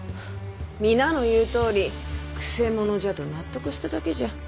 皆の言うとおりくせ者じゃと納得しただけじゃ。